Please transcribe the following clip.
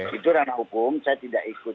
itu ranah hukum saya tidak ikut